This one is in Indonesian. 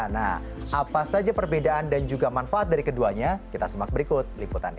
nah apa saja perbedaan dan juga manfaat dari keduanya kita simak berikut liputannya